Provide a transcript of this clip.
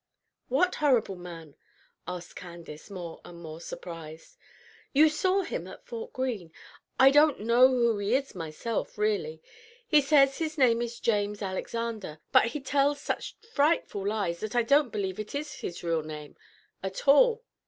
"What horrible man?" asked Candace, more and more surprised. "You saw him at Fort Greene. I don't know who he is myself, really. He says his name is James Alexander, but he tells such frightful lies that I don't believe it is his real name at all.